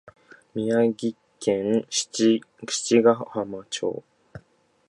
宮城県七ヶ浜町